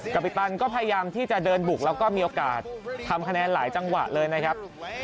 ปิตันก็พยายามที่จะเดินบุกแล้วก็มีโอกาสทำคะแนนหลายจังหวะเลยนะครับ